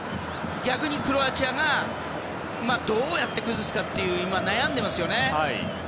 逆にクロアチアはどうやって崩すかって今、悩んでますよね。